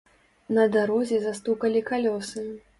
На дарозе застукалі калёсы.